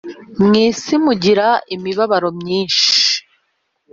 Mu isi mugira imibabaro myinshi